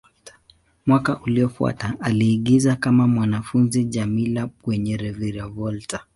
Mwaka uliofuata, aliigiza kama mwanafunzi Djamila kwenye "Reviravolta".